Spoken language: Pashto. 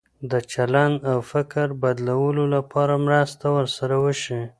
د چلند او فکر بدلولو لپاره مرسته ورسره وشي.